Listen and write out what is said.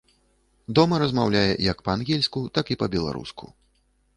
Дома размаўляе як па-ангельску, так і па-беларуску.